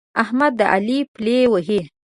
احمد د علي پلې وهي.